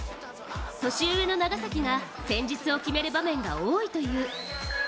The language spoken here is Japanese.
年上の長崎が戦術を決める場面が多いという。